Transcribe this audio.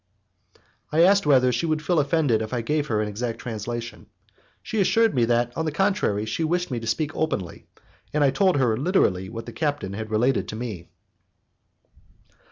I asked her whether she would feel offended if I gave her an exact translation. She assured me that, on the contrary, she wished me to speak openly, and I told her literally what the captain had related to me.